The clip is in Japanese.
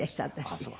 あっそう。